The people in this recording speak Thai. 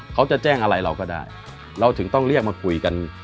เขาจะแจ้งอะไรเราก็ได้เราถึงต้องเรียกมาคุยกัน